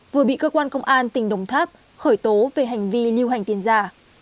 vừa bị cơ quan công an tỉnh đồng tháp khởi tố về hành vi lưu hành tiền giả